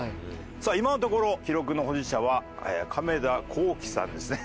さあ今のところ記録の保持者は亀田興毅さんですね。